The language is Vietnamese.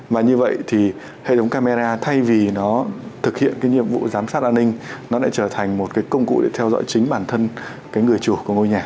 và như vậy thì hệ thống camera thay vì nó thực hiện cái nhiệm vụ giám sát an ninh nó lại trở thành một cái công cụ để theo dõi chính bản thân cái người chủ của ngôi nhà